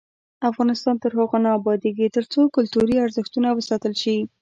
افغانستان تر هغو نه ابادیږي، ترڅو کلتوري ارزښتونه وساتل شي.